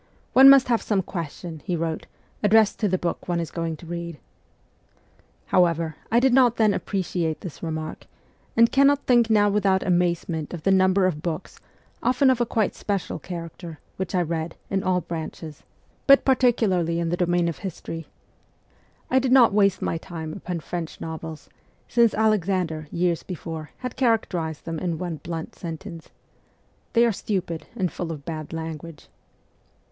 ' One must have some question,' he wrote, ' addressed to the book one is going to read.' However, I did not then appreciate this remark, and cannot think now without amazement of the number of books, often of a quite special character, which I read, in all branches, but 112 MEMOIRS OF A REVOLUTIONIST particularly in the domain of history. I did not waste my time upon French novels, since Alexander, years before, had characterized them in one blunt sentence :' They are stupid and full of bad language.'